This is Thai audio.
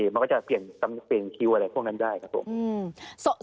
มันก็จะเปลี่ยนคิวอะไรพวกนั้นได้ครับผม